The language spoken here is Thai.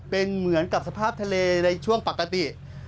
เป็นเหมือนกับสภาพทะเลในช่วงปกติ